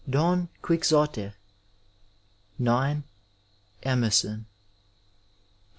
Don Quixote. IX. Emerson X.